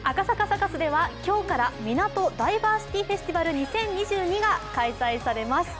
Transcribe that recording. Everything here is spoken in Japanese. サカスでは今日からみなとダイバーシティフェスティバル２０２２が開催されます。